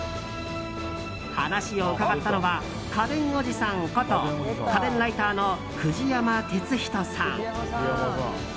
話を伺ったのは家電おじさんこと家電ライターの藤山哲人さん。